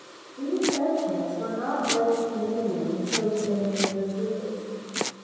These Aztecs were not like the Indians we see in the circus.